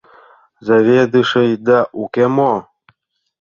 Заведышыйда уке мо?